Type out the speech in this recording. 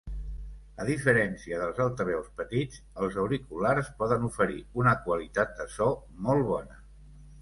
A diferència dels altaveus petits, els auriculars poden oferir una qualitat de so molt bona.